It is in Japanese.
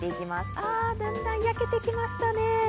あ、だんだん焼けてきましたね。